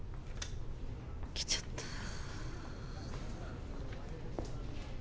来ちゃった。